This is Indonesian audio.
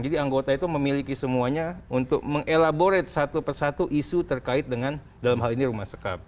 jadi anggota itu memiliki semuanya untuk mengelaborate satu persatu isu terkait dengan dalam hal ini rumah sekap